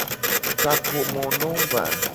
Kapomonomba.